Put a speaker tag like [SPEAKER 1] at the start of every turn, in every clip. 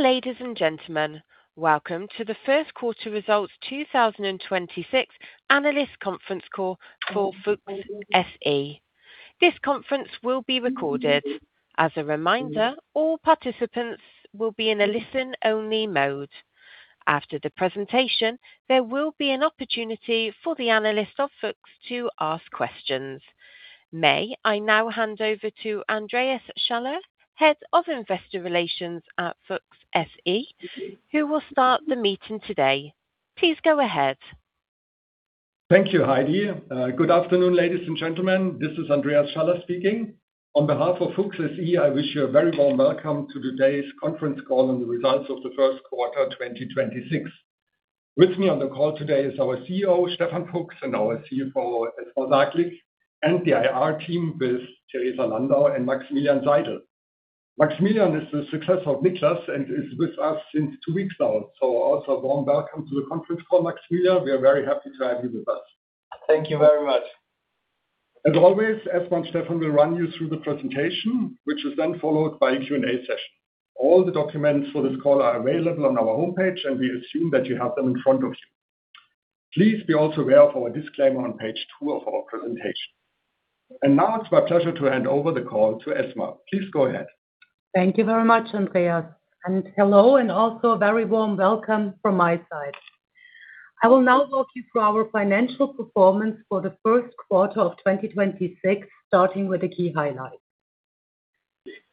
[SPEAKER 1] Dear ladies and gentlemen, welcome to the First Quarter Results 2026 Analyst Conference Call for FUCHS SE. This conference will be recorded. As a reminder, all participants will be in a listen-only mode. After the presentation, there will be an opportunity for the analysts of FUCHS to ask questions. May I now hand over to Andreas Schaller, Head of Investor Relations at FUCHS SE, who will start the meeting today. Please go ahead.
[SPEAKER 2] Thank you, Heidi. Good afternoon, ladies and gentlemen. This is Andreas Schaller speaking. On behalf of FUCHS SE, I wish you a very warm welcome to today's conference call on the results of the 1st quarter, 2026. With me on the call today is our CEO, Stefan Fuchs, and our CFO, Esma Saglik, and the IR team with Theresa Landau and Maximilian Seidel. Maximilian is the successor of Nicholas and is with us since 2 weeks now. Also, a warm welcome to the conference call, Maximilian. We are very happy to have you with us.
[SPEAKER 3] Thank you very much.
[SPEAKER 2] As always, Esma and Stefan will run you through the presentation, which is then followed by a Q&A session. All the documents for this call are available on our homepage, and we assume that you have them in front of you. Please be also aware of our disclaimer on page two of our presentation. Now it's my pleasure to hand over the call to Esma. Please go ahead.
[SPEAKER 4] Thank you very much, Andreas, and hello and also a very warm welcome from my side. I will now walk you through our financial performance for the first quarter of 2026, starting with the key highlights.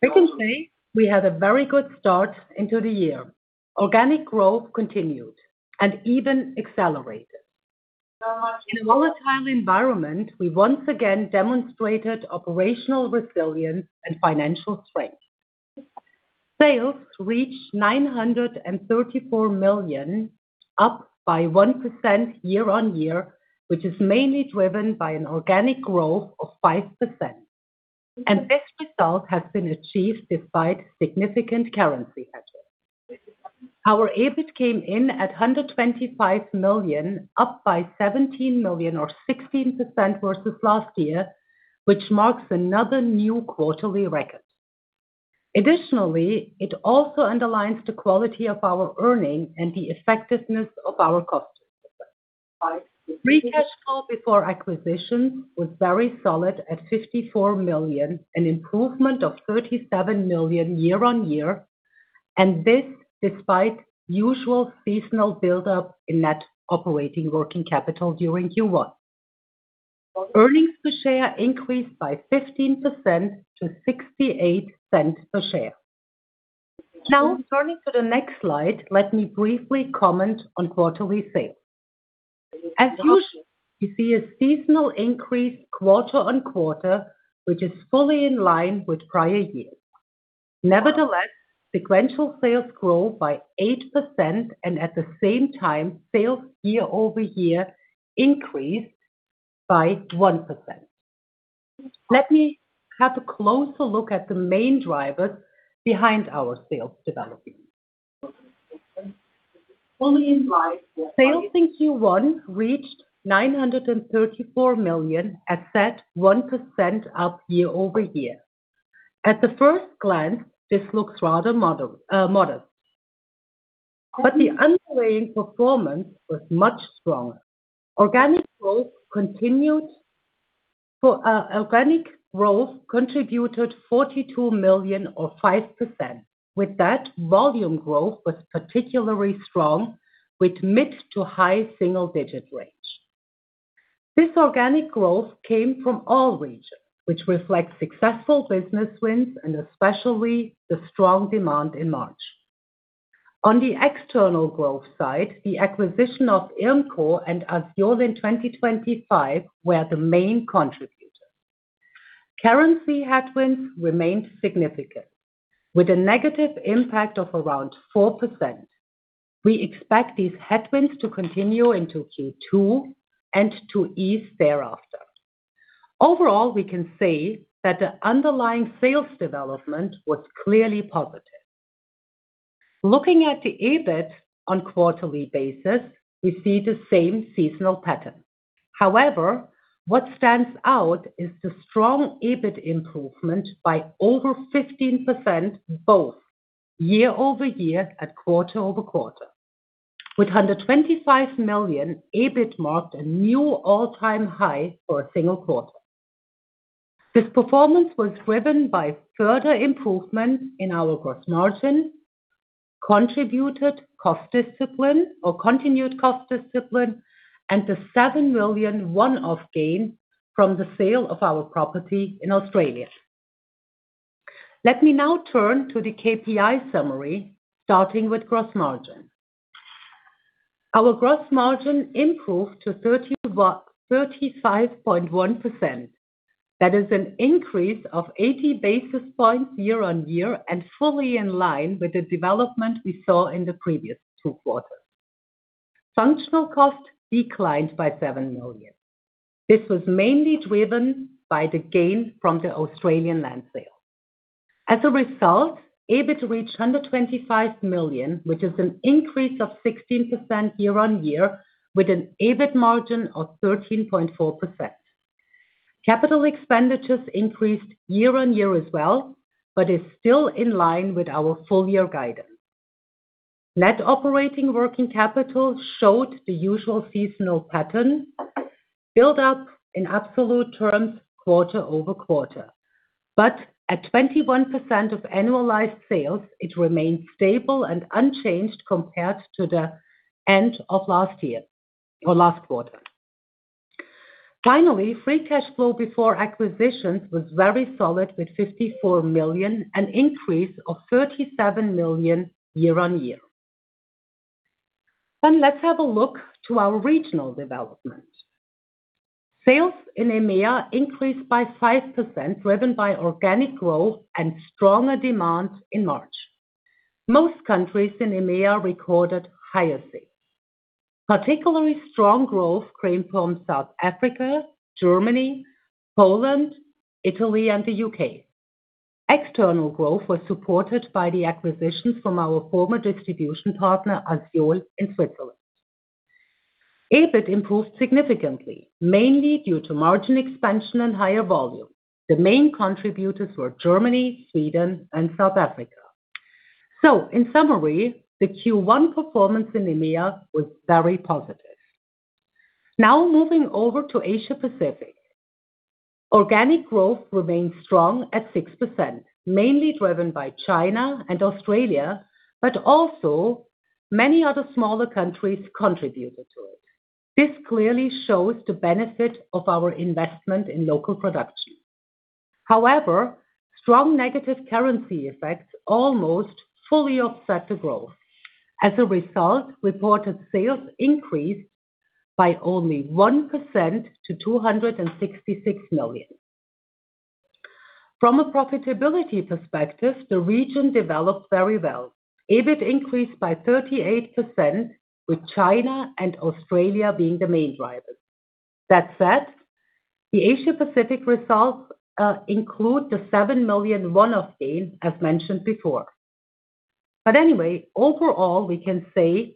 [SPEAKER 4] I can say we had a very good start into the year. Organic growth continued and even accelerated. In a volatile environment, we once again demonstrated operational resilience and financial strength. Sales reached 934 million, up by 1% year-on-year, which is mainly driven by an organic growth of 5%. This result has been achieved despite significant currency hedges. Our EBIT came in at 125 million, up by 17 million or 16% versus last year, which marks another new quarterly record. Additionally, it also underlines the quality of our earnings and the effectiveness of our costs. Free cash flow before acquisition was very solid at 54 million, an improvement of 37 million year-on-year, and this despite usual seasonal buildup in net operating working capital during Q1. Earnings per share increased by 15% to 0.68 per share. Now, turning to the next slide, let me briefly comment on quarterly sales. As you see a seasonal increase quarter-on-quarter, which is fully in line with prior years. Nevertheless, sequential sales grow by 8% and at the same time, sales year-over-year increased by 1%. Let me have a closer look at the main drivers behind our sales development. Sales in Q1 reached 934 million, as yet 1% up year-over-year. At the first glance, this looks rather modest. The underlying performance was much stronger. Organic growth contributed 42 million or 5%. With that, volume growth was particularly strong with mid to high single digit range. This organic growth came from all regions, which reflects successful business wins and especially the strong demand in March. On the external growth side, the acquisition of IRMCO and ASEOL in 2025 were the main contributors. Currency headwinds remained significant with a negative impact of around 4%. We expect these headwinds to continue into Q2 and to ease thereafter. Overall, we can say that the underlying sales development was clearly positive. Looking at the EBIT on quarterly basis, we see the same seasonal pattern. What stands out is the strong EBIT improvement by over 15% both year-over-year and quarter-over-quarter. With 125 million, EBIT marked a new all-time high for a single quarter. This performance was driven by further improvement in our gross margin, continued cost discipline, and the 7 million one-off gain from the sale of our property in Australia. Let me now turn to the KPI summary, starting with gross margin. Our gross margin improved to 35.1%. That is an increase of 80 basis points year-on-year and fully in line with the development we saw in the previous two quarters. Functional costs declined by 7 million. This was mainly driven by the gain from the Australian land sale. As a result, EBIT reached 125 million, which is an increase of 16% year-on-year with an EBIT margin of 13.4%. Capital expenditures increased year-on-year as well, is still in line with our full year guidance. Net operating working capital showed the usual seasonal pattern, built up in absolute terms quarter-over-quarter. At 21% of annualized sales, it remains stable and unchanged compared to the end of last year or last quarter. Finally, free cash flow before acquisitions was very solid with 54 million, an increase of 37 million year-on-year. Let's have a look to our regional development. Sales in EMEA increased by 5%, driven by organic growth and stronger demand in March. Most countries in EMEA recorded higher sales. Particularly strong growth came from South Africa, Germany, Poland, Italy, and the U.K. External growth was supported by the acquisitions from our former distribution partner, ASEOL in Switzerland. EBIT improved significantly, mainly due to margin expansion and higher volume. The main contributors were Germany, Sweden, and South Africa. In summary, the Q1 performance in EMEA was very positive. Moving over to Asia Pacific. Organic growth remains strong at 6%, mainly driven by China and Australia, but also many other smaller countries contributed to it. This clearly shows the benefit of our investment in local production. However, strong negative currency effects almost fully offset the growth. As a result, reported sales increased by only 1% to 266 million. From a profitability perspective, the region developed very well. EBIT increased by 38%, with China and Australia being the main drivers. That said, the Asia Pacific results include the 7 million one-off gain, as mentioned before. Anyway, overall, we can say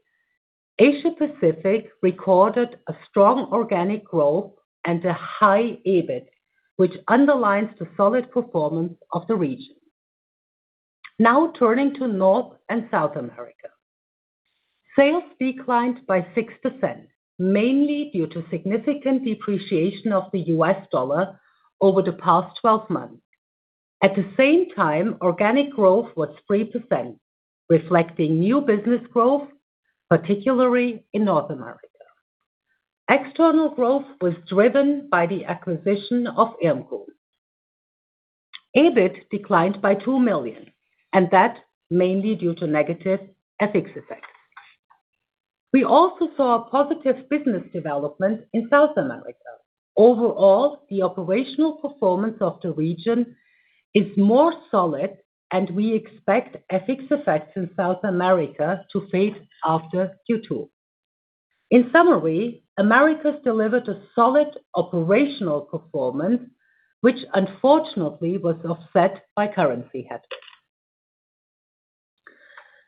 [SPEAKER 4] Asia Pacific recorded a strong organic growth and a high EBIT, which underlines the solid performance of the region. Turning to North and South America. Sales declined by 6%, mainly due to significant depreciation of the U.S. dollar over the past 12 months. At the same time, organic growth was 3%, reflecting new business growth, particularly in North America. External growth was driven by the acquisition of IRMCO. EBIT declined by 2 million, and that mainly due to negative FX effects. We also saw a positive business development in South America. Overall, the operational performance of the region is more solid, and we expect FX effects in South America to fade after Q2. In summary, Americas delivered a solid operational performance, which unfortunately was offset by currency headwinds.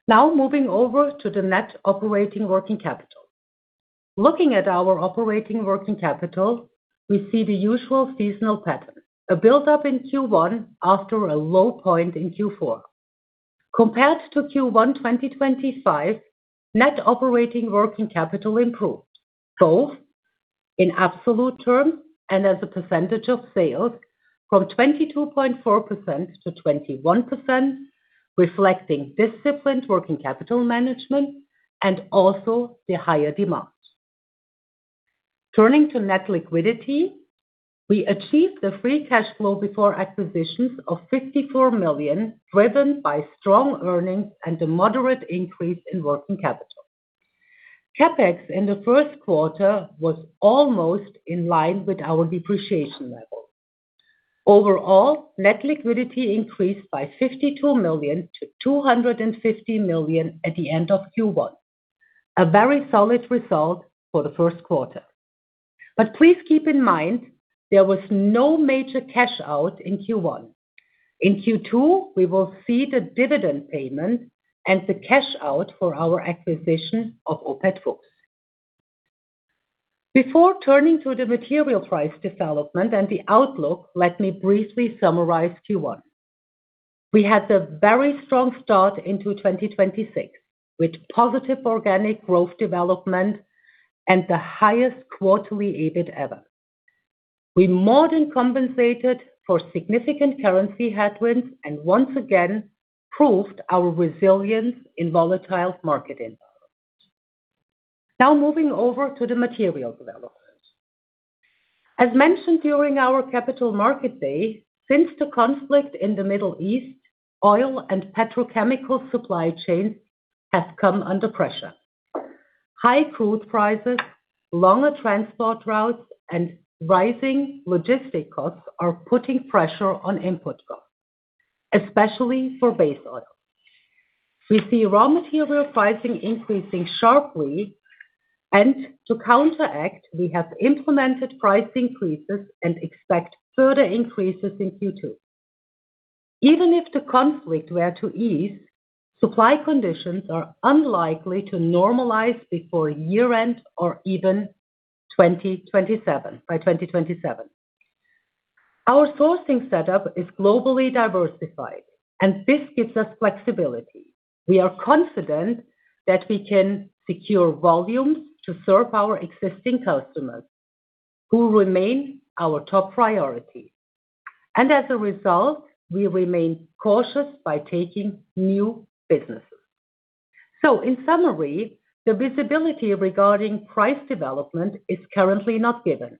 [SPEAKER 4] Now moving over to the net operating working capital. Looking at our operating working capital, we see the usual seasonal pattern, a build-up in Q1 after a low point in Q4. Compared to Q1 2025, net operating working capital improved, both in absolute term and as a percentage of sales from 22.4% to 21%, reflecting disciplined working capital management and also the higher demand. Turning to net liquidity, we achieved the free cash flow before acquisitions of 54 million, driven by strong earnings and a moderate increase in working capital. CapEx in the first quarter was almost in line with our depreciation level. Overall, net liquidity increased by 52 million to 250 million at the end of Q1, a very solid result for the first quarter. Please keep in mind there was no major cash out in Q1. In Q2, we will see the dividend payment and the cash out for our acquisition OPET FUCHS. Before turning to the material price development and the outlook, let me briefly summarize Q1. We had a very strong start into 2026, with positive organic growth development and the highest quarterly EBIT ever. We more than compensated for significant currency headwinds and once again proved our resilience in volatile market environments. Moving over to the material development. As mentioned during our Capital Market Day, since the conflict in the Middle East, oil and petrochemical supply chain has come under pressure. High crude prices, longer transport routes, and rising logistic costs are putting pressure on input costs, especially for base oil. We see raw material pricing increasing sharply, and to counteract, we have implemented price increases and expect further increases in Q2. Even if the conflict were to ease, supply conditions are unlikely to normalize before year-end or even 2027, by 2027. Our sourcing setup is globally diversified, and this gives us flexibility. We are confident that we can secure volumes to serve our existing customers who remain our top priority. As a result, we remain cautious by taking new businesses. In summary, the visibility regarding price development is currently not given,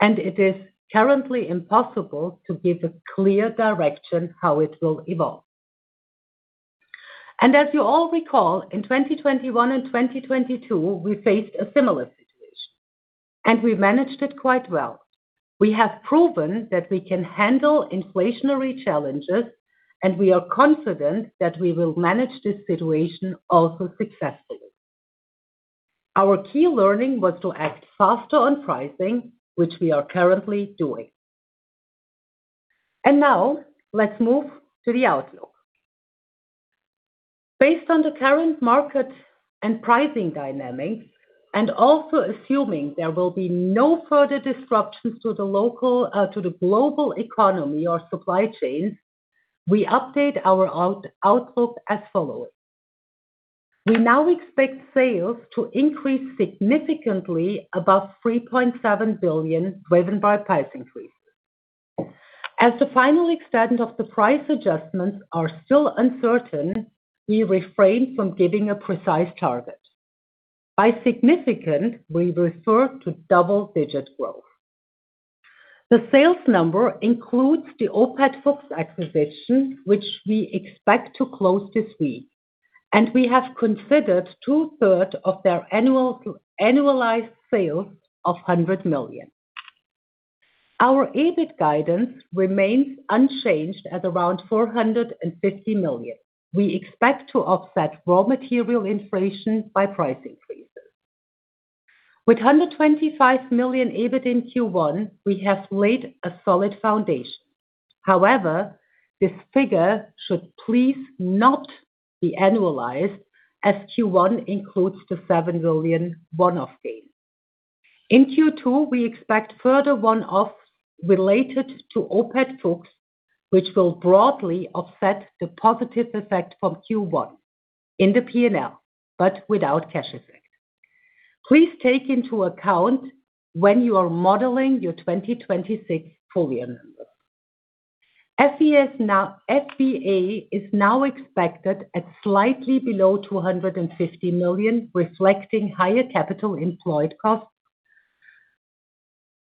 [SPEAKER 4] and it is currently impossible to give a clear direction how it will evolve. As you all recall, in 2021 and 2022, we faced a similar situation, and we managed it quite well. We have proven that we can handle inflationary challenges, and we are confident that we will manage this situation also successfully. Our key learning was to act faster on pricing, which we are currently doing. Now let's move to the outlook. Based on the current market and pricing dynamics, and also assuming there will be no further disruptions to the global economy or supply chains, we update our outlook as follows. We now expect sales to increase significantly above 3.7 billion, driven by price increases. As the final extent of the price adjustments are still uncertain, we refrain from giving a precise target. By significant, we refer to double-digit growth. The sales number includes the OPET FUCHS acquisition, which we expect to close this week, and we have considered two-third of their annualized sales of 100 million. Our EBIT guidance remains unchanged at around 450 million. We expect to offset raw material inflation by price increases. With 125 million EBIT in Q1, we have laid a solid foundation. However, this figure should please not be annualized as Q1 includes the 7 million one-off gain. In Q2, we expect further one-offs related to OPET FUCHS, which will broadly offset the positive effect from Q1 in the P&L, but without cash effect. Please take into account when you are modeling your 2026 full year numbers. FVA is now expected at slightly below 250 million, reflecting higher capital employed costs.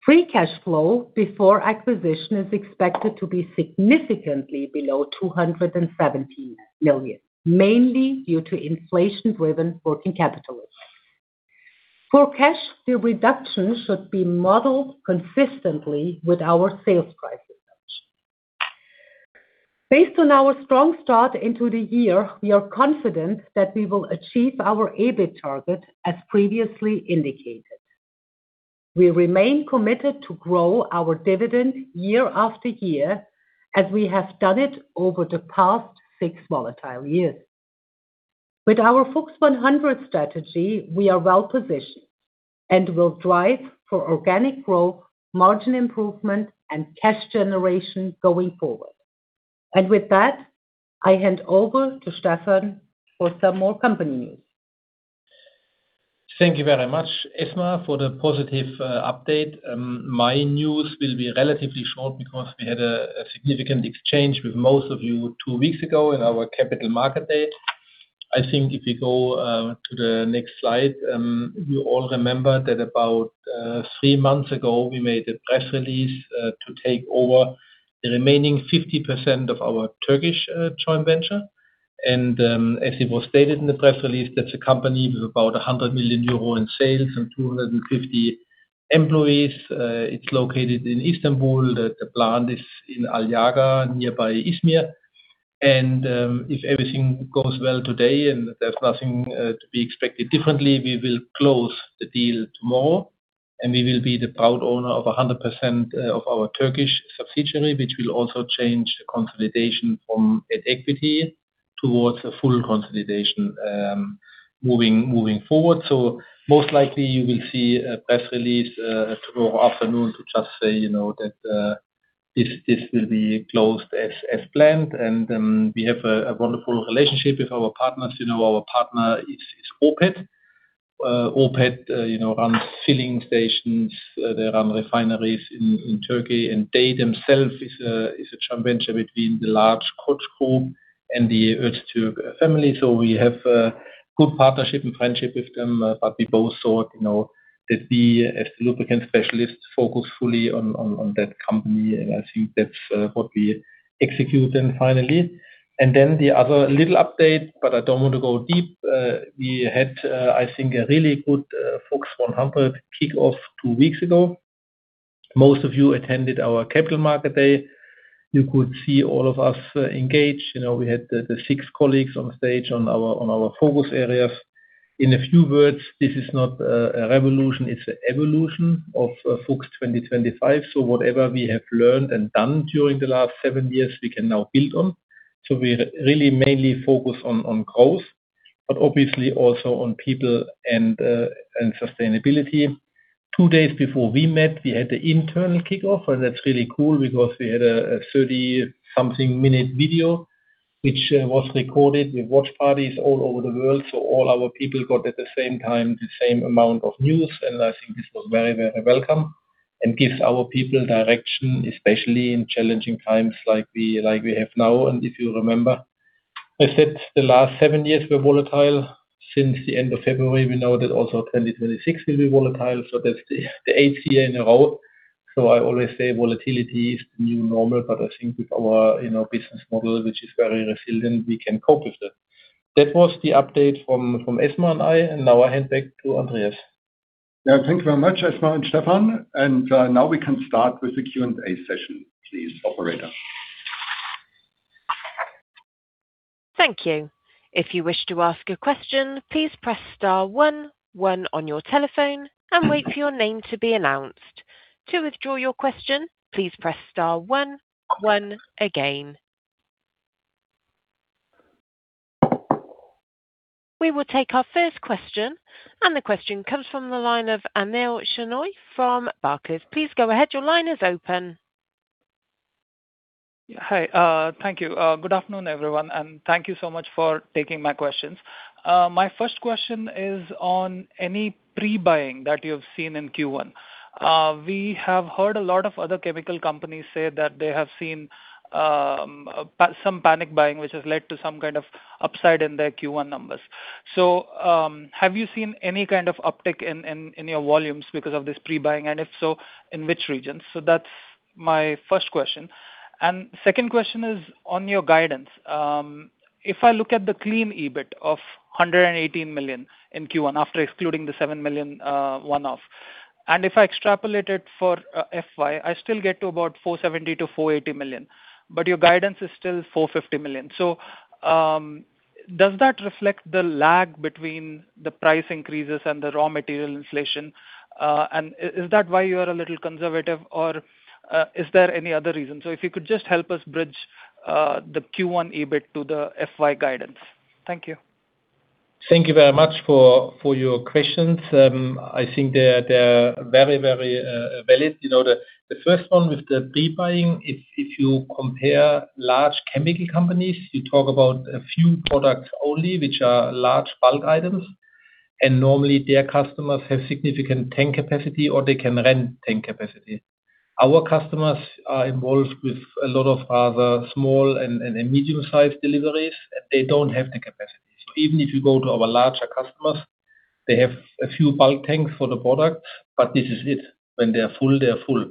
[SPEAKER 4] Free cash flow before acquisition is expected to be significantly below 217 million, mainly due to inflation-driven working capital risk. For cash, the reduction should be modeled consistently with our sales price advantage. Based on our strong start into the year, we are confident that we will achieve our EBIT target as previously indicated. We remain committed to grow our dividend year after year as we have done it over the past six volatile years. With our FUCHS100 strategy, we are well-positioned and will drive for organic growth, margin improvement, and cash generation going forward. With that, I hand over to Stefan for some more company news.
[SPEAKER 5] Thank you very much, Esma, for the positive update. My news will be relatively short because we had a significant exchange with most of you two weeks ago in our Capital Market Day. I think if you go to the next slide, you all remember that about 3 months ago, we made a press release to take over the remaining 50% of our Turkish joint venture. As it was stated in the press release, that's a company with about 100 million euro in sales and 250 employees. It's located in Istanbul. The plant is in Aliağa, nearby Izmir. If everything goes well today and there's nothing to be expected differently, we will close the deal tomorrow, and we will be the proud owner of 100% of our Turkish subsidiary, which will also change consolidation from at equity towards a full consolidation moving forward. Most likely, you will see a press release tomorrow afternoon to just say, you know, that this will be closed as planned. We have a wonderful relationship with our partners. You know, our partner is OPET. OPET, you know, run filling stations. They run refineries in Turkey. They themselves is a joint venture between the large Koç Group and the Öztürk family. We have a good partnership and friendship with them. We both thought, you know, that we as lubricant specialists focus fully on, on that company, and I think that's what we execute then finally. The other little update, I don't want to go deep. We had, I think a really good FUCHS100 kickoff 2 weeks ago. Most of you attended our Capital Market Day. You could see all of us engage. You know, we had the 6 colleagues on stage on our, on our focus areas. In a few words, this is not a revolution, it's a evolution of FUCHS2025. Whatever we have learned and done during the last 7 years, we can now build on. We really mainly focus on growth, but obviously also on people and sustainability. Two days before we met, we had the internal kickoff. That's really cool because we had a 30-something minute video which was recorded with watch parties all over the world. All our people got at the same time the same amount of news. I think this was very welcome and gives our people direction, especially in challenging times like we have now. If you remember, I said the last seven years were volatile. Since the end of February, we know that also 2026 will be volatile. That's the eighth year in a row. I always say volatility is the new normal. I think with our, you know, business model, which is very resilient, we can cope with it. That was the update from Esma and I. Now I hand back to Andreas.
[SPEAKER 2] Thank you very much, Esma and Stefan. Now we can start with the Q&A session please, operator.
[SPEAKER 1] Thank you. If you wish to ask a question, please press star one one on your telephone and wait for your name to be announced. To withdraw your question, please press star one one again. We will take our first question, and the question comes from the line of Anil Shenoy from Barclays. Please go ahead. Your line is open.
[SPEAKER 6] Hi, thank you. Good afternoon, everyone, and thank you so much for taking my questions. My first question is on any pre-buying that you've seen in Q1. We have heard a lot of other chemical companies say that they have seen some panic buying, which has led to some kind of upside in their Q1 numbers. Have you seen any kind of uptick in your volumes because of this pre-buying, and if so, in which regions? That's my first question. Second question is on your guidance. If I look at the clean EBIT of 118 million in Q1 after excluding the 7 million one-off. If I extrapolate it for FY, I still get to about 470 million-480 million, but your guidance is still 450 million. Does that reflect the lag between the price increases and the raw material inflation? Is that why you are a little conservative or is there any other reason? If you could just help us bridge the Q1 EBIT to the FY guidance. Thank you.
[SPEAKER 5] Thank you very much for your questions. I think they're very valid. You know, the first one with the pre-buying is if you compare large chemical companies, you talk about a few products only, which are large bulk items, normally their customers have significant tank capacity or they can rent tank capacity. Our customers are involved with a lot of other small and medium-sized deliveries, they don't have the capacity. Even if you go to our larger customers, they have a few bulk tanks for the product, but this is it. When they are full, they are full.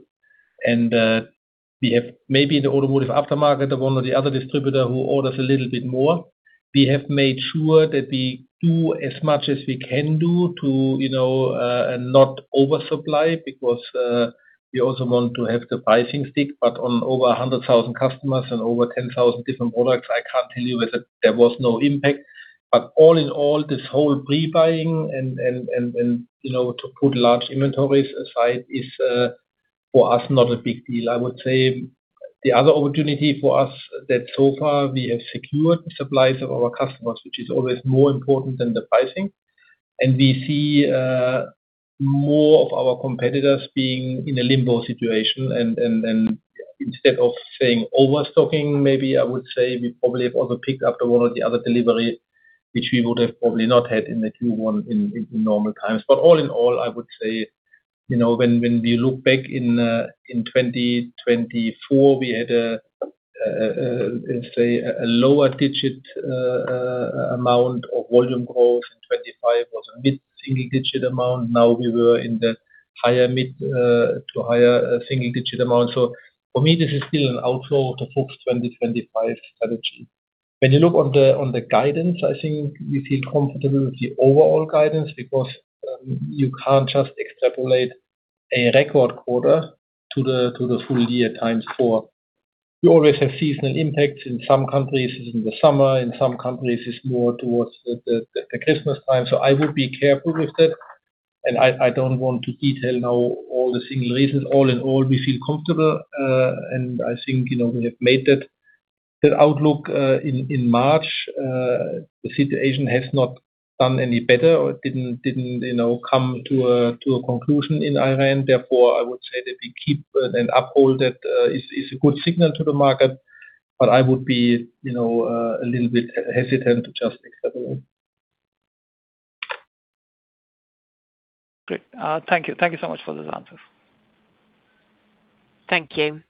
[SPEAKER 5] We have maybe the automotive aftermarket of one or the other distributor who orders a little bit more. We have made sure that we do as much as we can do to, you know, and not oversupply because we also want to have the pricing stick. On over 100,000 customers and over 10,000 different products, I can't tell you whether there was no impact. All in all, this whole pre-buying and, you know, to put large inventories aside is for us not a big deal. I would say the other opportunity for us that so far we have secured the supplies of our customers, which is always more important than the pricing. We see more of our competitors being in a limbo situation and instead of saying overstocking, maybe I would say we probably have also picked up the one or the other delivery, which we would have probably not had in the Q1 in normal times. All in all, I would say, you know, when we look back in 2024, we had a, let's say a lower digit amount of volume growth. 2025 was a mid-single digit amount. Now we were in the higher mid to higher single digit amount. For me, this is still an outflow of the FUCHS2025 strategy. When you look on the guidance, I think we feel comfortable with the overall guidance because you can't just extrapolate a record quarter to the, to the full year times four. You always have seasonal impacts. In some countries it's in the summer, in some countries it's more towards the, the Christmas time. I would be careful with that and I don't want to detail now all the single reasons. All in all, we feel comfortable, and I think, you know, we have made that outlook in March. The situation has not done any better or didn't, you know, come to a, to a conclusion in Iran. Therefore, I would say that we keep and uphold that, is a good signal to the market, but I would be, you know, a little bit hesitant to just extrapolate.
[SPEAKER 6] Great. Thank you so much for those answers.
[SPEAKER 1] Thank you.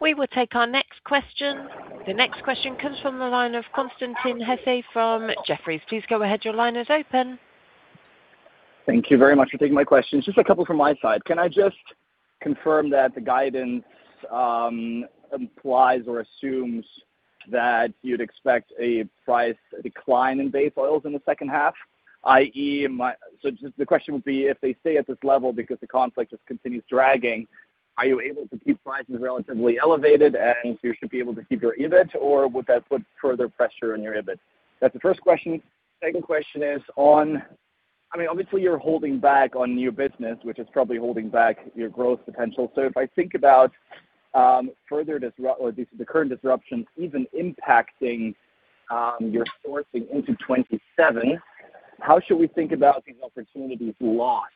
[SPEAKER 1] We will take our next question. The next question comes from the line of Constantin Hesse from Jefferies. Please go ahead. Your line is open.
[SPEAKER 7] Thank you very much for taking my questions. Just a couple from my side. Can I just confirm that the guidance implies or assumes that you'd expect a price decline in base oils in the second half? I.e., just the question would be, if they stay at this level because the conflict just continues dragging, are you able to keep prices relatively elevated and you should be able to keep your EBIT or would that put further pressure on your EBIT? That's the first question. Second question is on. I mean, obviously, you're holding back on new business, which is probably holding back your growth potential. If I think about further disruption or the current disruption even impacting your sourcing into 2027, how should we think about these opportunities lost?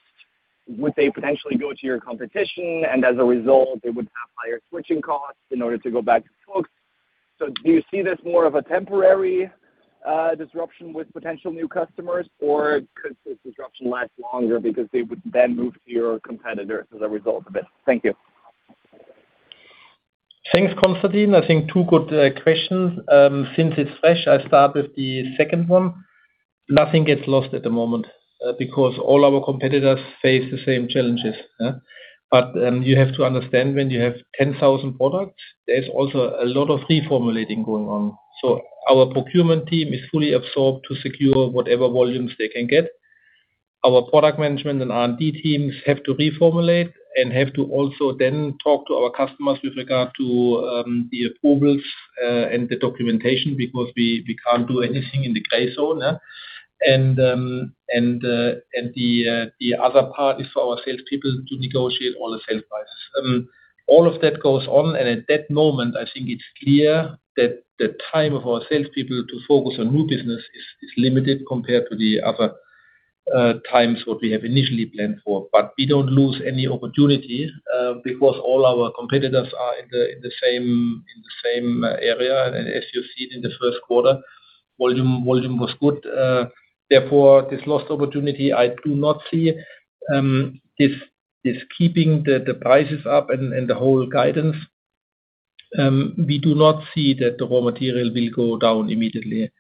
[SPEAKER 7] Would they potentially go to your competition and as a result, they would have higher switching costs in order to go back to FUCHS? Do you see this more of a temporary disruption with potential new customers, or could this disruption last longer because they would then move to your competitors as a result of it? Thank you.
[SPEAKER 5] Thanks, Constantin. I think two good questions. Since it's fresh, I'll start with the second one. Nothing gets lost at the moment because all our competitors face the same challenges. Yeah. You have to understand, when you have 10,000 products, there's also a lot of reformulating going on. Our procurement team is fully absorbed to secure whatever volumes they can get. Our product management and R&D teams have to reformulate and have to also then talk to our customers with regard to the approvals and the documentation because we can't do anything in the gray zone. The other part is for our salespeople to negotiate all the sales prices. All of that goes on. At that moment, I think it's clear that the time of our salespeople to focus on new business is limited compared to the other times what we have initially planned for. We don't lose any opportunity because all our competitors are in the same area. As you've seen in the first quarter, volume was good. Therefore, this lost opportunity, I do not see this keeping the prices up and the whole guidance. We do not see that the raw material will go down immediately.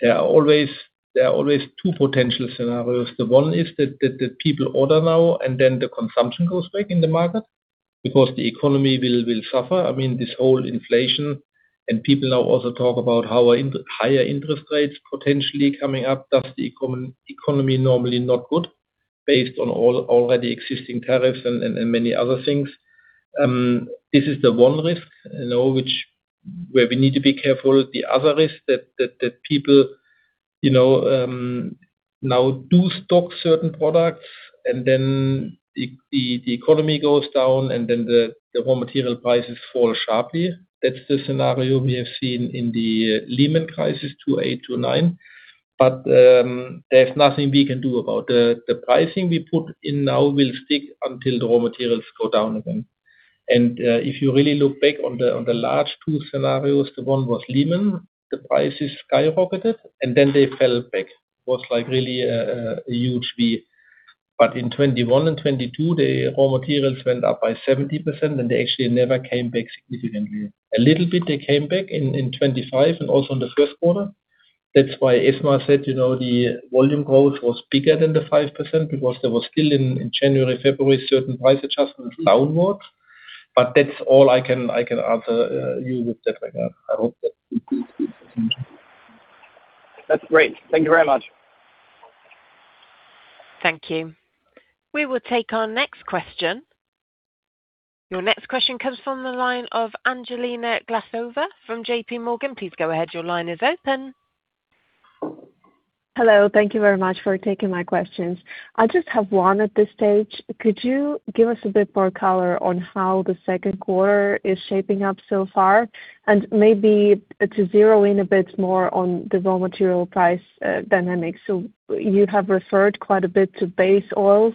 [SPEAKER 5] There are always two potential scenarios. The one is that the people order now and then the consumption goes back in the market because the economy will suffer. I mean, this whole inflation, and people now also talk about how higher interest rates potentially coming up, thus the economy normally not good based on already existing tariffs and, and many other things. This is the one risk, you know, where we need to be careful. The other risk that people, you know, now do stock certain products and then the economy goes down and then the raw material prices fall sharply. That's the scenario we have seen in the Lehman crisis, 2008-2009. There's nothing we can do about. The pricing we put in now will stick until the raw materials go down again. If you really look back on the large two scenarios, the one was Lehman. The prices skyrocketed and then they fell back. It was like really a huge V. In 2021 and 2022, the raw materials went up by 70% and they actually never came back significantly. A little bit they came back in 2025 and also in the first quarter. That's why Esma said, you know, the volume growth was bigger than the 5% because there was still in January, February, certain price adjustments downwards. That's all I can answer you with that regard.
[SPEAKER 7] That's great. Thank you very much.
[SPEAKER 1] Thank you. We will take our next question. Your next question comes from the line of Angelina Glazova from JPMorgan. Please go ahead. Your line is open.
[SPEAKER 8] Hello. Thank you very much for taking my questions. I just have one at this stage. Could you give us a bit more color on how the second quarter is shaping up so far? Maybe to zero in a bit more on the raw material price dynamics. You have referred quite a bit to base oils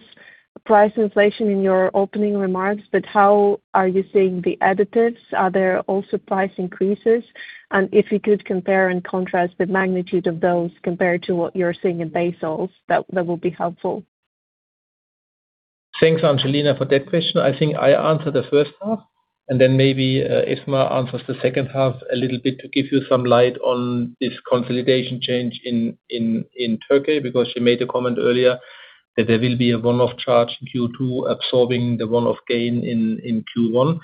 [SPEAKER 8] price inflation in your opening remarks, but how are you seeing the additives? Are there also price increases? If you could compare and contrast the magnitude of those compared to what you're seeing in base oils, that would be helpful.
[SPEAKER 5] Thanks, Angelina, for that question. I think I answer the first half and then maybe Esma answers the second half a little bit to give you some light on this consolidation change in Turkey, because she made a comment earlier that there will be a one-off charge in Q2 absorbing the one-off gain in Q1.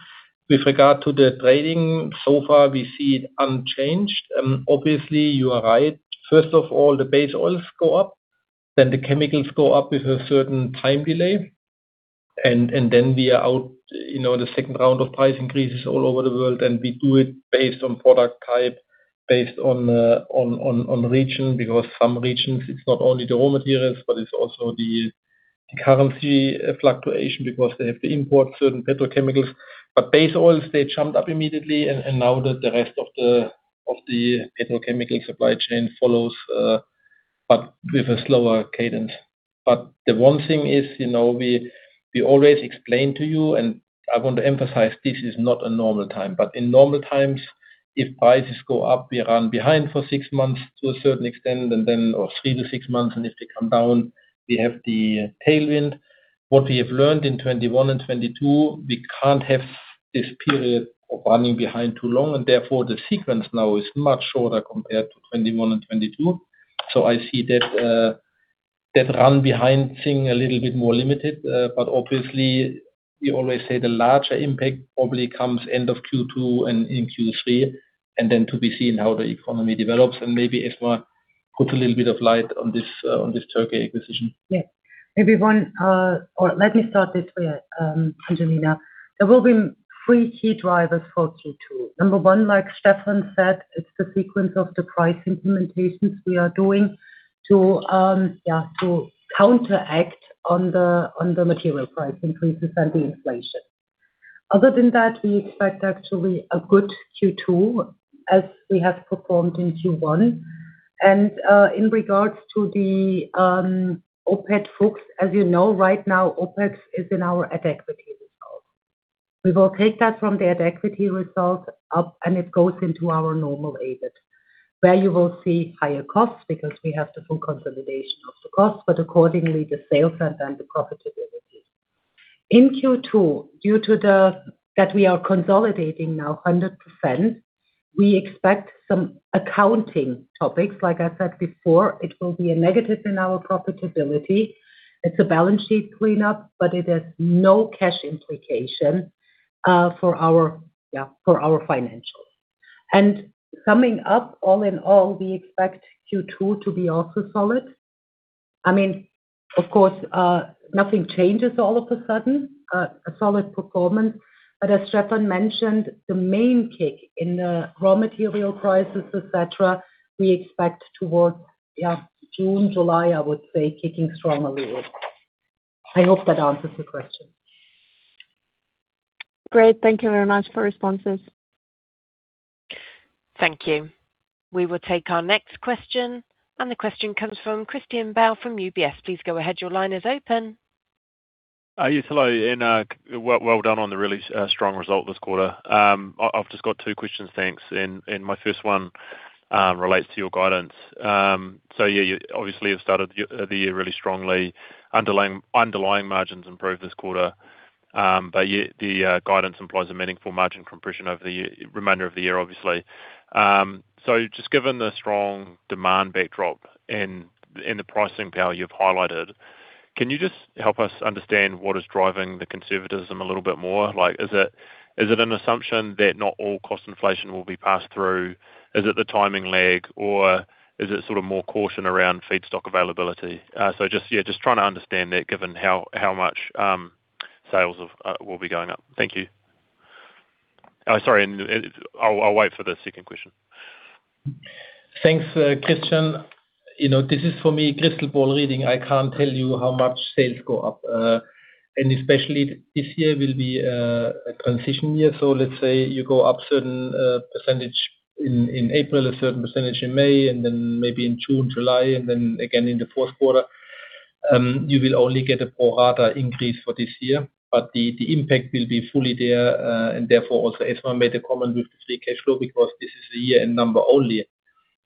[SPEAKER 5] With regard to the trading, so far we see it unchanged. Obviously, you are right. First of all, the base oils go up, then the chemicals go up with a certain time delay. We are out, you know, the second round of price increases all over the world, and we do it based on product type, based on region. Some regions, it's not only the raw materials, but it's also the currency fluctuation because they have to import certain petrochemicals. Base oils, they jumped up immediately and now the rest of the petrochemical supply chain follows, but with a slower cadence. The one thing is, you know, we always explain to you, and I want to emphasize this is not a normal time. In normal times, if prices go up, we run behind for 6 months to a certain extent, or 3-6 months. If they come down, we have the tailwind. What we have learned in 2021 and 2022, we can't have this period of running behind too long, and therefore the sequence now is much shorter compared to 2021 and 2022. I see that run behind thing a little bit more limited. Obviously, we always say the larger impact probably comes end of Q2 and in Q3, then to be seen how the economy develops. Maybe, Esma put a little bit of light on this Turkey acquisition.
[SPEAKER 4] Yes. Maybe one, or let me start this way, Angelina. There will be three key drivers for Q2. Number one, like Stefan said, it's the sequence of the price implementations we are doing to counteract on the material price increases and the inflation. Other than that, we expect actually a good Q2 as we have performed in Q1. In regards to the OPET FUCHS, as you know, right now, OPET is in our at equity results. We will take that from the at equity result up, and it goes into our normal EBIT, where you will see higher costs because we have the full consolidation of the costs, but accordingly, the sales and then the profitability. In Q2, due to that we are consolidating now 100%, we expect some accounting topics. Like I said before, it will be a negative in our profitability. It's a balance sheet cleanup, but it has no cash implication for our, yeah, for our financials. Summing up, all in all, we expect Q2 to be also solid. I mean, of course, nothing changes all of a sudden, a solid performance. As Stefan mentioned, the main kick in the raw material prices, et cetera, we expect towards, yeah, June, July, I would say, kicking strongly with. I hope that answers the question.
[SPEAKER 8] Great. Thank you very much for responses.
[SPEAKER 1] Thank you. We will take our next question, and the question comes from Christian Bell from UBS. Please go ahead. Your line is open.
[SPEAKER 9] Yes, hello. Well, well done on the really strong result this quarter. I've just got two questions, thanks. My first one relates to your guidance. Yeah, you obviously have started the year really strongly. Underlying margins improved this quarter. The guidance implies a meaningful margin compression over the remainder of the year, obviously. Given the strong demand backdrop and the pricing power you've highlighted, can you just help us understand what is driving the conservatism a little bit more? Is it an assumption that not all cost inflation will be passed through? Is it the timing lag, or is it sort of more caution around feedstock availability? just, yeah, just trying to understand that given how much sales of will be going up. Thank you. sorry, I'll wait for the second question.
[SPEAKER 5] Thanks, Christian. You know, this is for me, crystal ball reading. I can't tell you how much sales go up. Especially this year will be a transition year. Let's say you go up certain percentage in April, a certain percentage in May, and then maybe in June, July, and then again in the Q4, you will only get a pro rata increase for this year. The impact will be fully there, and therefore also Esma made a comment with the free cash flow because this is a year-end number only.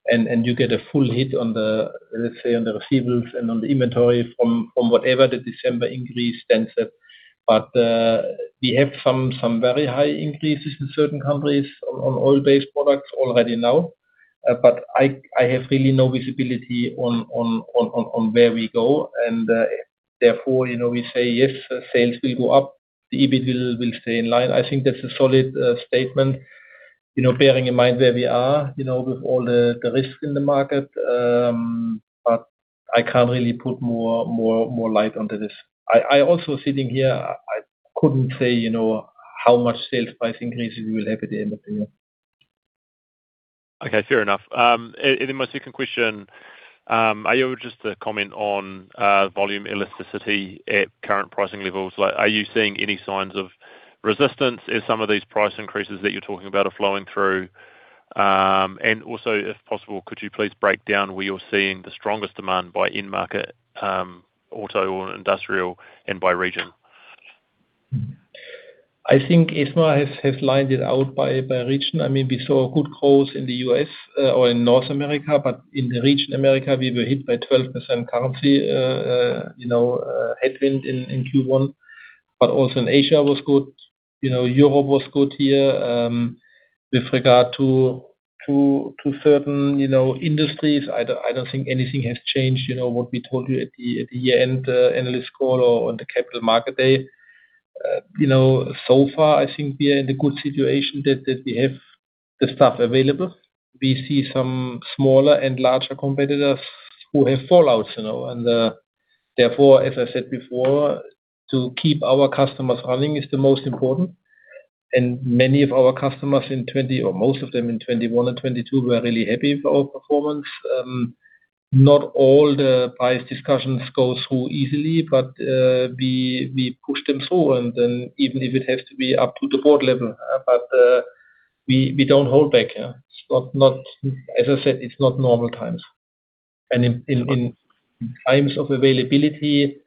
[SPEAKER 5] You get a full hit on the, let's say, on the receivables and on the inventory from whatever the December increase stands at. We have very high increases in certain countries on oil-based products already now. But I have really no visibility on where we go. Therefore, you know, we say, yes, sales will go up, the EBIT will stay in line. I think that's a solid statement, you know, bearing in mind where we are, you know, with all the risks in the market. I can't really put more light onto this. I also sitting here, I couldn't say, you know, how much sales price increase we will have at the end of the year.
[SPEAKER 9] Okay, fair enough. Then my second question, are you just to comment on volume elasticity at current pricing levels? Like, are you seeing any signs of resistance as some of these price increases that you're talking about are flowing through? Also, if possible, could you please break down where you're seeing the strongest demand by end market, auto or industrial and by region?
[SPEAKER 5] I think Esma has lined it out by region. I mean, we saw good growth in the U.S., or in North America, but in the region America, we were hit by 12% currency, you know, headwind in Q1, but also in Asia was good. You know, Europe was good here. With regard to certain, you know, industries, I don't think anything has changed, you know, what we told you at the year-end analyst call or on the Capital Market Day. You know, so far, I think we are in a good situation that we have the stuff available. We see some smaller and larger competitors who have fallouts, you know. Therefore, as I said before, to keep our customers running is the most important. Many of our customers in 2020 or most of them in 2021 and 2022 were really happy with our performance. Not all the price discussions go through easily, but we push them through, even if it has to be up to the board level. We don't hold back, yeah. As I said, it's not normal times. In times of availability,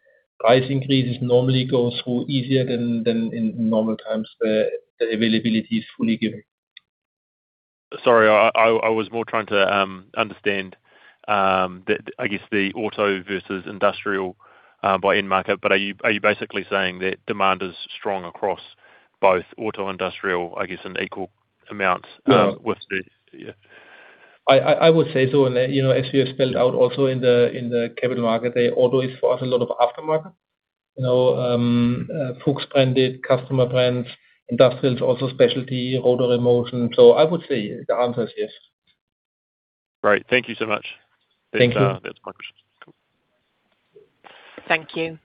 [SPEAKER 5] price increases normally go through easier than in normal times, the availability is fully given.
[SPEAKER 9] Sorry, I was more trying to understand the, I guess, the auto versus industrial by end market. Are you basically saying that demand is strong across both auto, industrial, I guess, in equal amounts?
[SPEAKER 5] No.
[SPEAKER 9] Yeah.
[SPEAKER 5] I would say so. You know, as we have spelled out also in the Capital Market Day, auto is, for us, a lot of aftermarket. You know, FUCHS branded customer brands, Industrials, also Specialty Rotary Motion. I would say the answer is yes.
[SPEAKER 9] Great. Thank you so much.
[SPEAKER 5] Thank you.
[SPEAKER 9] [That's my question.]
[SPEAKER 1] Thank you.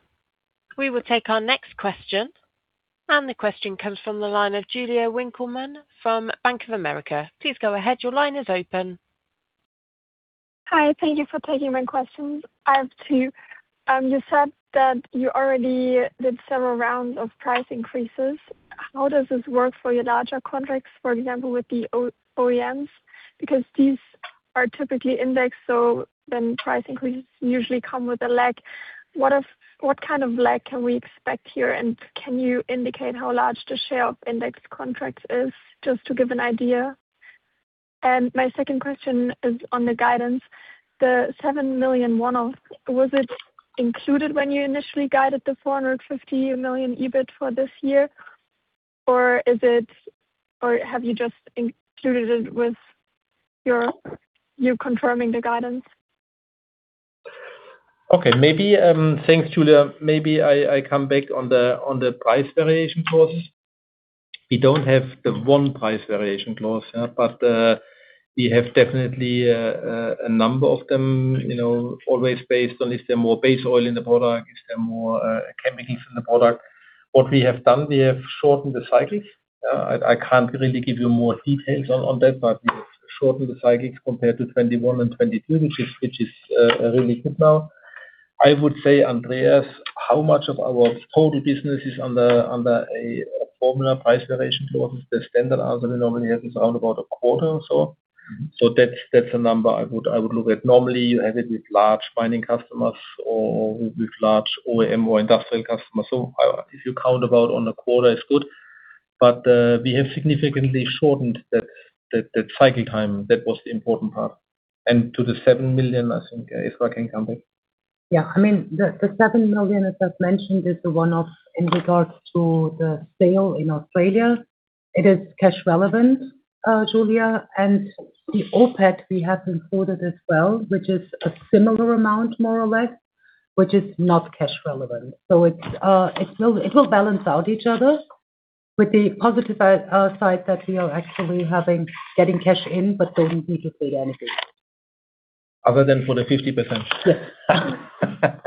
[SPEAKER 1] We will take our next question. The question comes from the line of Julia Winckelmann from Bank of America. Please go ahead. Your line is open.
[SPEAKER 10] Hi. Thank you for taking my questions. I have two. You said that you already did several rounds of price increases. How does this work for your larger contracts, for example, with the OEMs? Because these are typically indexed, so then price increases usually come with a lag. What kind of lag can we expect here? Can you indicate how large the share of index contracts is just to give an idea? My second question is on the guidance. The 7 million one-off, was it included when you initially guided the 450 million EBIT for this year, or have you just included it with your, you confirming the guidance?
[SPEAKER 5] Thanks, Julia. Maybe I come back on the price variation clause. We don't have the one price variation clause, yeah. We have definitely a number of them, you know, always based on if there are more base oil in the product, if there are more chemicals in the product. What we have done, we have shortened the cycles. I can't really give you more details on that, we have shortened the cycles compared to 2021 and 2022, which is really good now. I would say, Andreas how much of our total business is under a formula price variation clause is the standard answer we normally have is around about a quarter or so. That's a number I would look at. Normally, you have it with large mining customers or with large OEM or industrial customers. If you count about on a quarter is good. We have significantly shortened that cycle time. That was the important part. To the 7 million, I think, if I can come back.
[SPEAKER 4] I mean, the 7 million, as I've mentioned, is the one-off in regards to the sale in Australia. It is cash relevant, Julia. The OpEx we have included as well, which is a similar amount more or less, which is not cash relevant. It will balance out each other. With the positive side that we are actually having getting cash in, but don't need to pay anything.
[SPEAKER 5] Other than for the 50%.
[SPEAKER 4] Yes.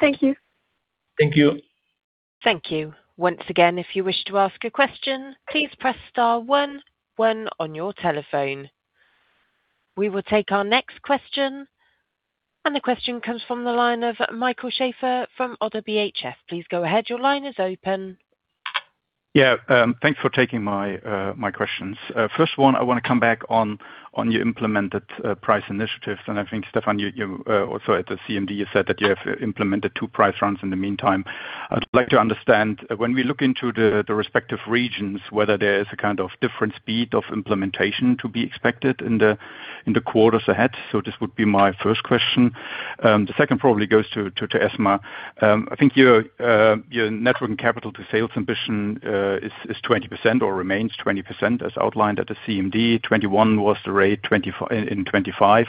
[SPEAKER 10] Thank you.
[SPEAKER 5] Thank you.
[SPEAKER 1] Thank you. Once again, if you wish to ask a question, please press star one one on your telephone. We will take our next question. The question comes from the line of Michael Schaefer from ODDO BHF. Please go ahead. Your line is open.
[SPEAKER 11] Thanks for taking my questions. First one, I want to come back on your implemented price initiatives. I think, Stefan, you also at the CMD, you said that you have implemented 2 price rounds in the meantime. I'd like to understand when we look into the respective regions, whether there is a kind of different speed of implementation to be expected in the quarters ahead. This would be my first question. The second probably goes to Esma. I think your net working capital to sales ambition is 20% or remains 20% as outlined at the CMD. 21% was the rate, 25% in 2025.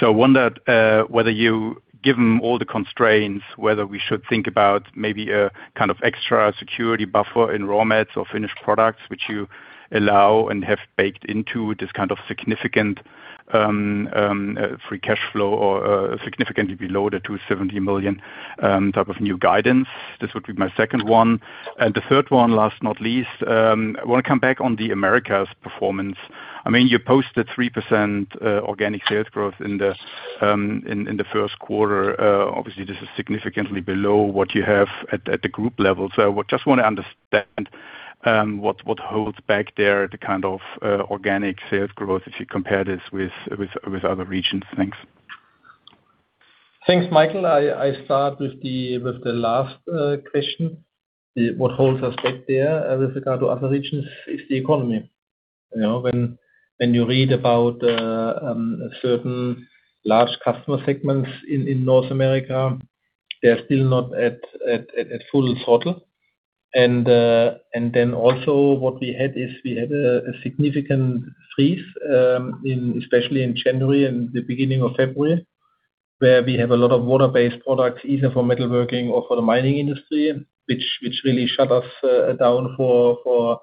[SPEAKER 11] I wondered whether you, given all the constraints, whether we should think about maybe a kind of extra security buffer in raw mats or finished products which you allow and have baked into this kind of significant free cash flow or significantly below the 270 million type of new guidance. This would be my second one. The third one, last not least, I wanna come back on the Americas performance. I mean, you posted 3% organic sales growth in the first quarter. Obviously, this is significantly below what you have at the group level. Just wanna understand what holds back there the kind of organic sales growth if you compare this with other regions. Thanks.
[SPEAKER 5] Thanks, Michael. I start with the last question. What holds us back there with regard to other regions is the economy. You know, when you read about certain large customer segments in North America, they're still not at full throttle. Also what we had is we had a significant freeze especially in January and the beginning of February, where we have a lot of water-based products, either for metalworking or for the mining industry, which really shut us down for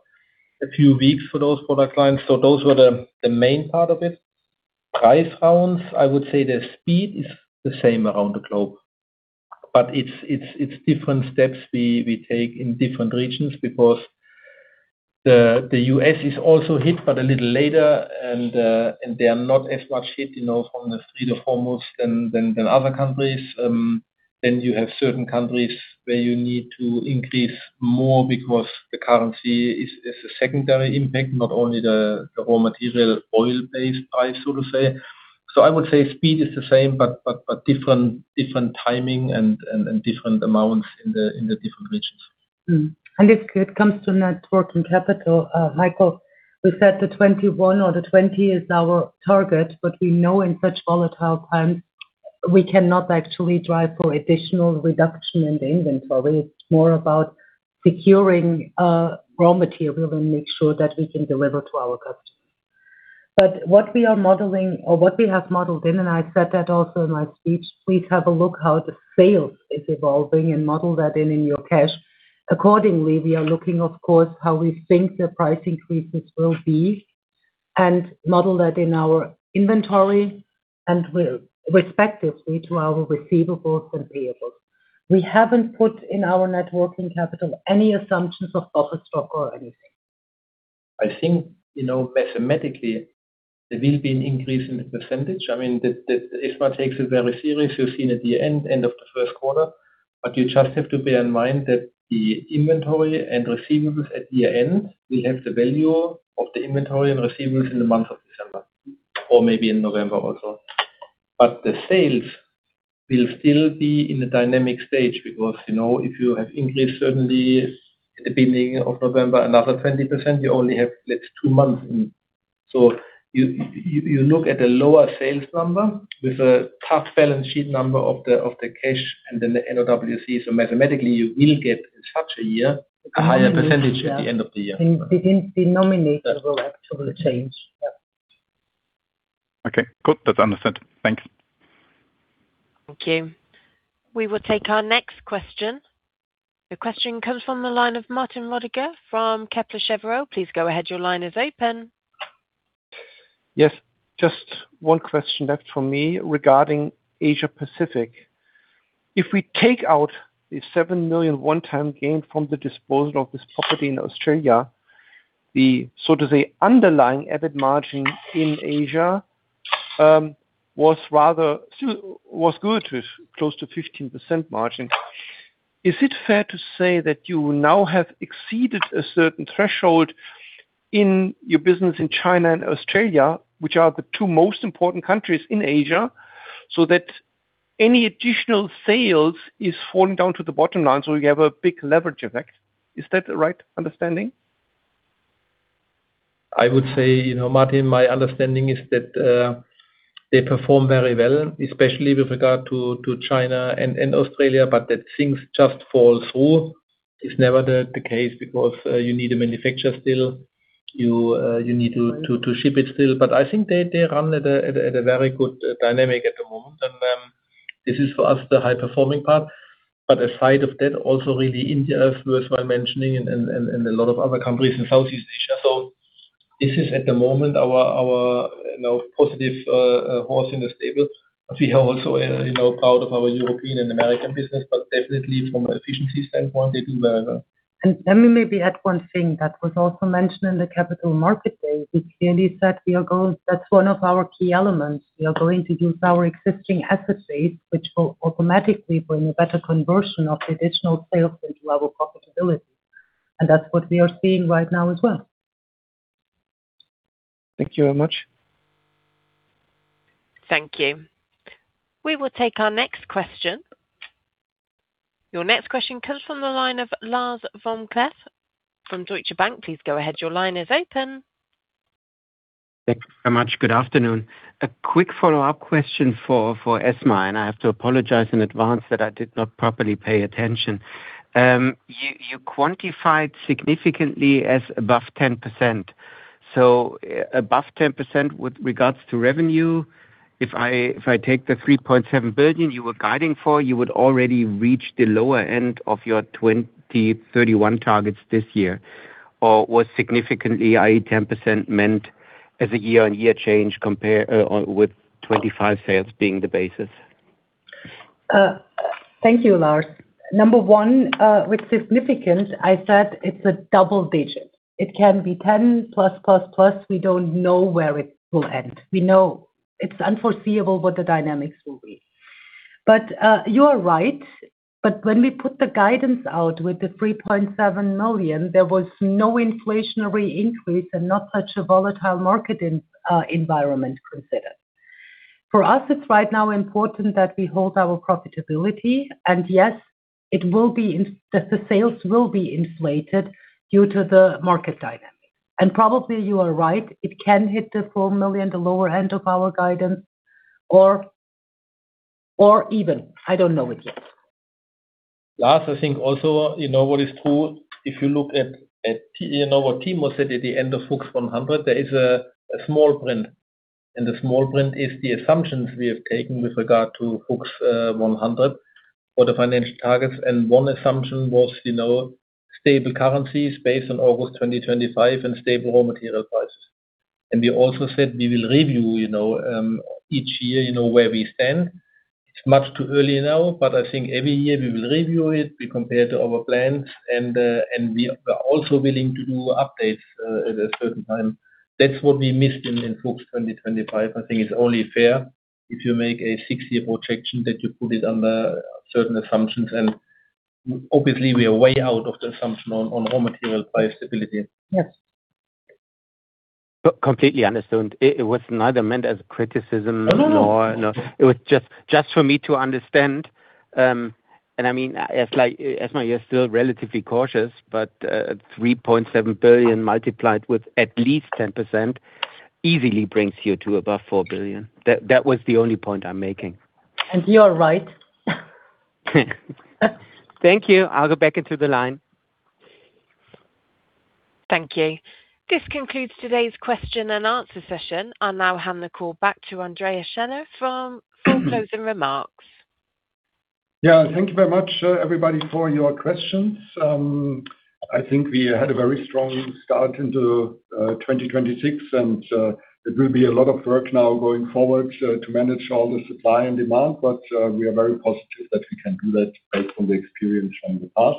[SPEAKER 5] a few weeks for those product lines. Those were the main part of it. Price rounds, I would say the speed is the same around the globe. It's different steps we take in different regions because the U.S. is also hit but a little later and they are not as much hit, you know, from the Strait of Hormuz than other countries. You have certain countries where you need to increase more because the currency is a secondary impact, not only the raw material oil-based price, so to say. I would say speed is the same, but different timing and different amounts in the different regions.
[SPEAKER 4] If it comes to net working capital, Michael, we said the 21% or the 20% is our target, but we know in such volatile times, we cannot actually drive for additional reduction in the inventory. It's more about securing raw material and make sure that we can deliver to our customers. What we are modeling or what we have modeled in, and I said that also in my speech, please have a look how the sales is evolving and model that in your cash. Accordingly, we are looking, of course, how we think the price increases will be and model that in our inventory and respectively to our receivables and payables. We haven't put in our net working capital any assumptions of buffer stock or anything.
[SPEAKER 5] I think, you know, mathematically there will be an increase in the percentage. I mean, that Esma takes it very serious. You've seen at the end of the first quarter. You just have to bear in mind that the inventory and receivables at year-end will have the value of the inventory and receivables in the month of December or maybe in November also. The sales will still be in a dynamic stage because, you know, if you have increased certainly at the beginning of November, another 20%, you only have left 2 months. You look at the lower sales number with a tough balance sheet number of the, of the cash and then the NOWC. Mathematically, you will get in such a year, a higher percentage at the end of the year.
[SPEAKER 4] The denominator will actually change. Yeah.
[SPEAKER 11] Okay, good. That's understood. Thanks.
[SPEAKER 1] Thank you. We will take our next question. Your question comes from the line of Martin Roediger from Kepler Cheuvreux. Please go ahead. Your line is open.
[SPEAKER 12] Just one question left for me regarding Asia Pacific. If we take out the 7 million one-time gain from the disposal of this property in Australia, the so to say, underlying EBIT margin in Asia was good with close to 15% margin. Is it fair to say that you now have exceeded a certain threshold in your business in China and Australia, which are the two most important countries in Asia, so that any additional sales is falling down to the bottom line, so you have a big leverage effect? Is that the right understanding?
[SPEAKER 5] I would say, you know, Martin, my understanding is that they perform very well, especially with regard to China and Australia, but that things just fall through is never the case because you need a manufacturer still. You need to ship it still. I think they run at a very good dynamic at the moment. This is for us, the high-performing part. Aside of that, also really India is worth well mentioning and a lot of other countries in Southeast Asia. This is at the moment our, you know, positive horse in the stable. We are also, you know, proud of our European and American business, but definitely from an efficiency standpoint, they do better.
[SPEAKER 4] Let me maybe add one thing that was also mentioned in the Capital Market Day. We clearly said that's one of our key elements. We are going to use our existing asset base, which will automatically bring a better conversion of the additional sales into our profitability. That's what we are seeing right now as well.
[SPEAKER 12] Thank you very much.
[SPEAKER 1] Thank you. We will take our next question. Your next question comes from the line of Lars vom Cleff from Deutsche Bank. Please go ahead. Your line is open.
[SPEAKER 13] Thanks very much. Good afternoon. A quick follow-up question for Esma, I have to apologize in advance that I did not properly pay attention. You, you quantified significantly as above 10%. Above 10% with regards to revenue, if I, if I take the 3.7 billion you were guiding for, you would already reach the lower end of your 2031 targets this year. Was significantly, i.e. 10% meant as a year-over-year change compared with 2025 sales being the basis?
[SPEAKER 4] Thank you, Lars. Number one, with significant, I said it's a double digit. It can be 10++. We don't know where it will end. We know it's unforeseeable what the dynamics will be. You are right. When we put the guidance out with the 3.7 million, there was no inflationary increase and not such a volatile market environment considered. For us, it's right now important that we hold our profitability. Yes, it will be that the sales will be inflated due to the market dynamics. Probably you are right, it can hit the 4 million, the lower end of our guidance or even, I don't know it yet.
[SPEAKER 5] Lars, I think also, you know what is true, if you look at, you know what Timo said at the end of FUCHS100, there is a small print, and the small print is the assumptions we have taken with regard to FUCHS100 for the financial targets. One assumption was, you know, stable currencies based on August 2025 and stable raw material prices. We also said we will review, you know, each year, you know, where we stand. It's much too early now, but I think every year we will review it. We compare to our plans, and we are also willing to do updates at a certain time. That's what we missed in FUCHS2025. I think it's only fair if you make a 6-year projection that you put it under certain assumptions. Obviously, we are way out of the assumption on raw material price stability.
[SPEAKER 4] Yes.
[SPEAKER 13] Completely understood. It was neither meant as a criticism nor.
[SPEAKER 5] No, no.
[SPEAKER 13] It was just for me to understand. I mean, Esma, you're still relatively cautious, but, 3.7 billion multiplied with at least 10% easily brings you to above 4 billion. That was the only point I'm making.
[SPEAKER 4] You are right.
[SPEAKER 13] Thank you. I'll go back into the line.
[SPEAKER 1] Thank you. This concludes today's question and answer session. I'll now hand the call back to Andreas Schaller for closing remarks.
[SPEAKER 2] Yeah. Thank you very much, everybody, for your questions. I think we had a very strong start into 2026, and it will be a lot of work now going forward to manage all the supply and demand, but we are very positive that we can do that based on the experience from the past.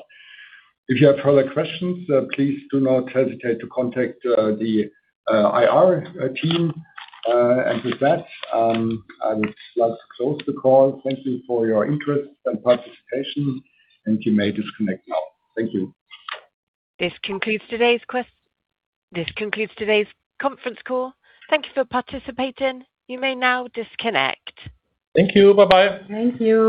[SPEAKER 2] If you have further questions, please do not hesitate to contact the IR team. With that, I would like to close the call. Thank you for your interest and participation, and you may disconnect now. Thank you.
[SPEAKER 1] This concludes today's conference call. Thank you for participating. You may now disconnect.
[SPEAKER 5] Thank you. Bye-bye.
[SPEAKER 4] Thank you.